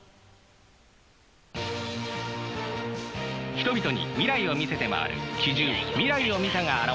人々に未来を見せて回る奇獣未来を見たが現れた。